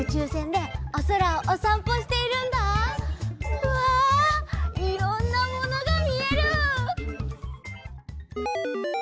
うわいろんなものがみえる！